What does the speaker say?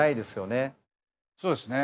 そうですね。